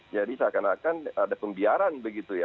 jadi saya kira akan ada pembiaran begitu ya